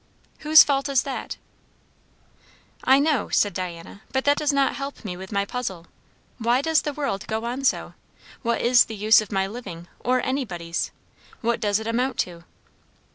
"Whose fault is that?" "I know," said Diana, "but that does not help me with my puzzle. Why does the world go on so? what is the use of my living, or anybody's? What does it amount to?"